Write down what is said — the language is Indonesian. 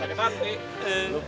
balik sama siapa wuyo